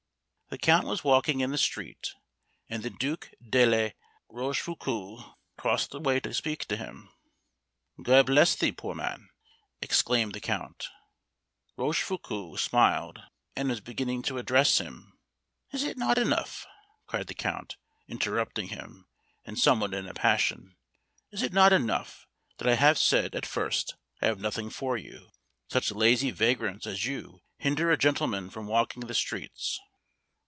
The count was walking in the street, and the Duke de la Rochefoucault crossed the way to speak to him. "God bless thee, poor man!" exclaimed the count. Rochefoucault smiled, and was beginning to address him: "Is it not enough," cried the count, interrupting him, and somewhat in a passion; "is it not enough that I have said, at first, I have nothing for you? Such lazy vagrants as you hinder a gentleman from walking the streets."